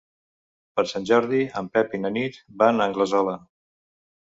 Per Sant Jordi en Pep i na Nit van a Anglesola.